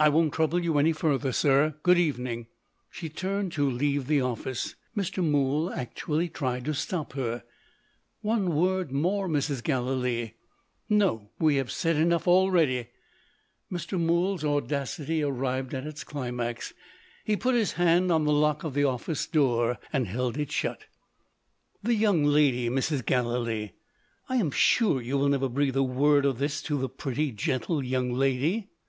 "I won't trouble you any further, sir. Good evening!" She turned to leave the office. Mr. Mool actually tried to stop her. "One word more, Mrs. Galilee." "No; we have said enough already." Mr. Mool's audacity arrived at its climax. He put his hand on the lock of the office door, and held it shut. "The young lady, Mrs. Gallilee! I am sure you will never breathe a word of this to the pretty gentle, young lady?